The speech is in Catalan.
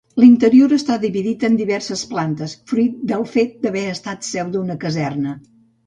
L'interior està dividit en diverses plantes, fruit del fet d'haver estat seu d'una caserna.